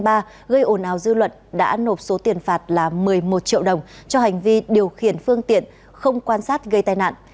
bản áo dư luận đã nộp số tiền phạt là một mươi một triệu đồng cho hành vi điều khiển phương tiện không quan sát gây tai nạn